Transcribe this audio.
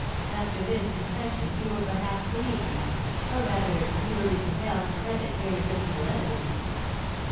After this confession, you will perhaps believe me, or, rather, you will be compelled to credit irresistible evidence.